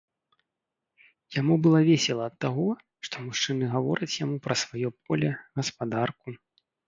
Яму было весела ад таго, што мужчыны гавораць яму пра сваё поле, гаспадарку.